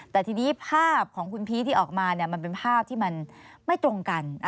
แต่ทีนี้ภาพของคุณพีชที่ออกมามันเป็นภาพที่มันไม่ตรงกัน